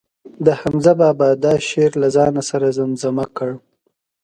د حمزه بابا دا شعر له ځان سره زمزمه کړ.